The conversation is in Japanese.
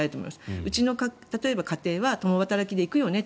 うちの家庭は共働きで行くよねと。